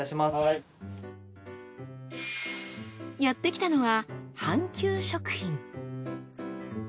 やってきたのは半久食品。